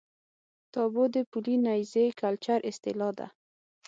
تابو د پولي نیزي کلچر اصطلاح ده.